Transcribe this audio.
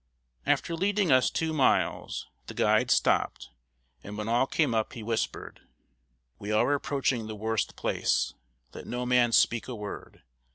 After leading us two miles, the guide stopped, and when all came up, he whispered: "We are approaching the worst place. Let no man speak a word.